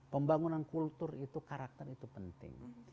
pembangunan kultur itu karakter itu penting